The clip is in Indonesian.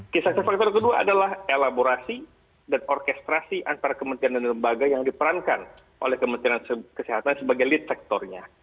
kisah faktor kedua adalah elaborasi dan orkestrasi antara kementerian dan lembaga yang diperankan oleh kementerian kesehatan sebagai lead sektornya